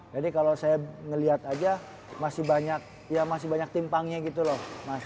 jadi kalau saya ngeliat aja masih banyak timpangnya gitu loh